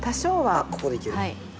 あっここでいける。